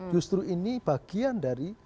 justru ini bagian dari